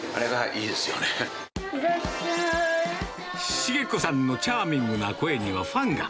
重子さんのチャーミングな声には、ファンが。